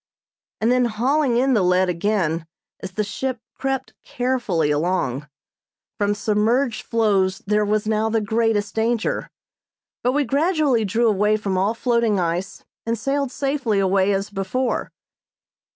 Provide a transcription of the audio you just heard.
and then hauling in the lead again as the ship crept carefully along. From submerged floes there was now the greatest danger, but we gradually drew away from all floating ice and sailed safely away as before.